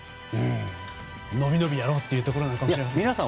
のびのびやろうというところなのかもしれません。